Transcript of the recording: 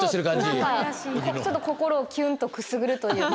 ちょっと心をキュンとくすぐるというか。